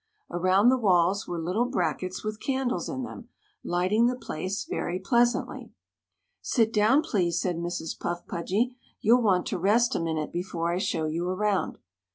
Around the walls were little brackets with candles in them, lighting the place very pleasantly. "Sit down, please," said Mrs. Puff Pudgy. "You'll want to rest a minute before I show you around."